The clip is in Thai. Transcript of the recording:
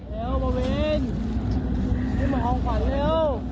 เร็วมาวินขึ้นมาของขวัญเร็ว